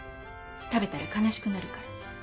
食べたら悲しくなるから。